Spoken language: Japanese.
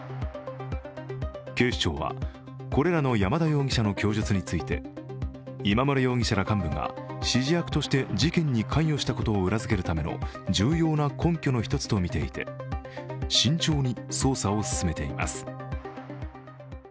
警視庁はこれらの山田容疑者の供述について今村容疑者ら幹部が指示役として事件に関与したことを裏付けるための重要な根拠の１つとみていて慎重に捜査を進めています。